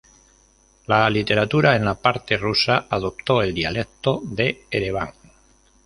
La literatura en la parte rusa adoptó el dialecto de Ereván.